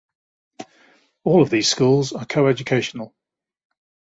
All of these schools are coeducational.